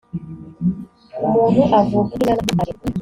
umuntu avuka nk inyana y imparage